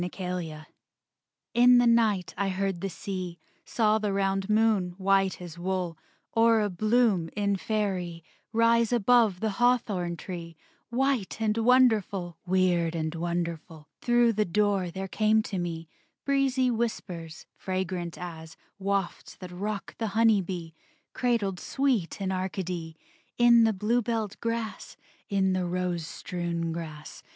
THE CHANGELING In the night I heard the sea; Saw the round moon, white as wool, Or a bloom in Faerie, Rise above the hawthorn tree, White and wonderful, Weird and wonderful. Through the door there came to me Breezy whispers, fragrant as Wafts that rock the honey bee, Cradled sweet in Arcady, In the bluebelled grass, In the rose strewn grass.